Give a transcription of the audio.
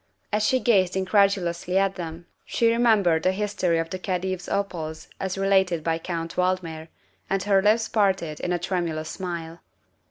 As she gazed incredulously at them she remembered the history of the Khedive's opals as related by Count Valdmir, and her lips parted in a tremulous smile.